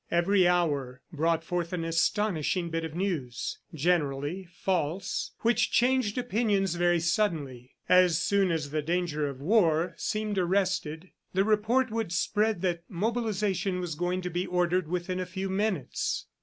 Every hour brought forth an astonishing bit of news generally false which changed opinions very suddenly. As soon as the danger of war seemed arrested, the report would spread that mobilization was going to be ordered within a few minutes.